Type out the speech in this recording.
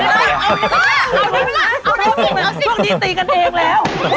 โตงดีตีกันเองแล้ว